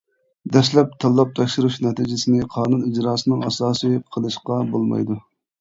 دەسلەپ تاللاپ تەكشۈرۈش نەتىجىسىنى قانۇن ئىجراسىنىڭ ئاساسى قىلىشقا بولمايدۇ.